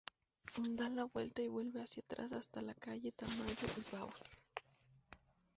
Da la vuelta y vuelve hacia atrás hasta la calle Tamayo y Baus.